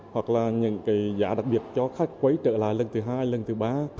hoặc là những cái giả đặc biệt cho khách quấy trở lại lần thứ hai lần thứ ba